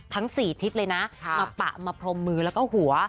ทั้ง๔ทิศเลยนะมาปะมาพรมมือแล้วก็หัว